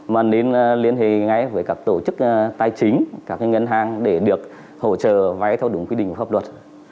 mà nên liên hệ ngay với các tổ chức tài chính các ngân hàng để được hỗ trợ vay theo đúng quy định của pháp luật